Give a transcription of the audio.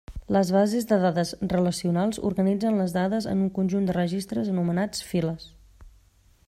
Les bases de dades relacionals organitzen les dades en un conjunt de registres anomenats files.